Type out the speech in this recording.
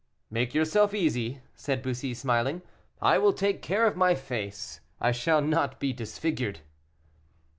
"Make yourself easy," said Bussy, smiling; "I will take care of my face I shall not be disfigured."